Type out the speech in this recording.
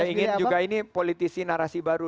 saya ingin juga ini politisi narasi baru